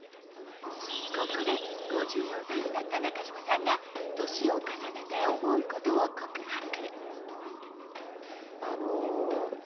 ここで５４歳になった中島さんが年を重ねて思うことを告白。